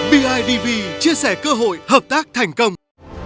bidv chia sẻ cơ hội hợp tác thành công